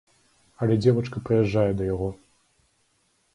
Але дзевачка прыязджае да яго.